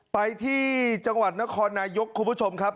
ไปที่จังหวัดนครนายกคุณผู้ชมครับ